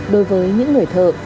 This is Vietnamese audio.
đối với những người thợ